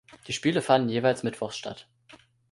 Die Spiele fanden jeweils mittwochs statt.